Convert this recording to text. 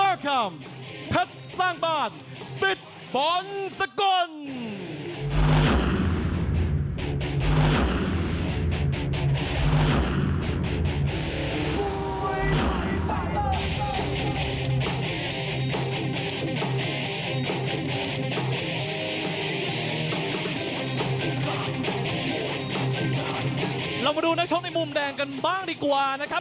เรามาดูนักชกในมุมแดงกันบ้างดีกว่านะครับ